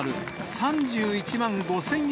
３１万５０００円！